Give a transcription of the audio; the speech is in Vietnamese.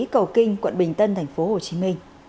cầu kinh quận bình tân tp hcm